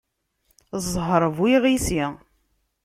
Ẓẓher bu iɣisi.